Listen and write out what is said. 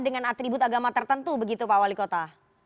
dengan atribut agama tertentu begitu pak wali kota